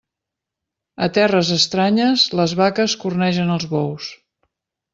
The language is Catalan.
A terres estranyes, les vaques cornegen els bous.